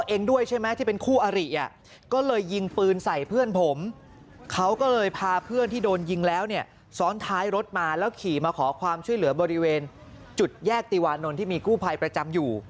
เองด้วยใช่ไหมที่เป็นคู่อริอ่ะก็เลยยิงปืนใส่เพื่อนผมเขาก็เลยพาเพื่อนที่โดนยิงแล้วเนี่ยซ้อนท้ายรถมาแล้วขี่มาขอความช่วยเหลือบริเวณจุดแยกติวานนท์ที่มีกู้ภัยประจำอยู่